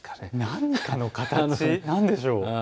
何かの形、何でしょう。